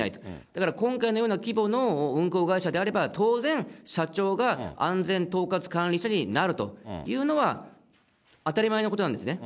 だから今回のような規模の運航会社であれば、当然、社長が安全統括管理者になるというのは、当たり前のことなんですね。